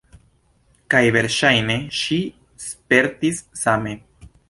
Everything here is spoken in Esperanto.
Kaj verŝajne ŝi spertis same.